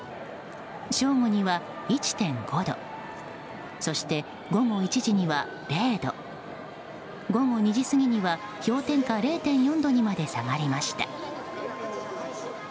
正午には１．５度そして午後１時には０度午後２時過ぎには氷点下０．４度にまで下がりました。